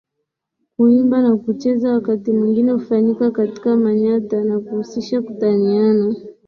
Kuimba na kucheza wakati mwingine hufanyika katika manyatta na kuhusisha kutaniana